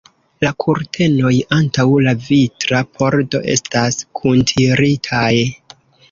La kurtenoj antaŭ la vitra pordo estas kuntiritaj.